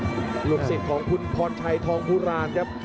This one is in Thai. ลูกศิษย์ของคุณพรชัยทองภูรานครับ